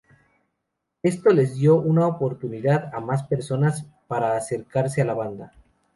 Esto les dio una oportunidad a más personas para acercarse a la banda.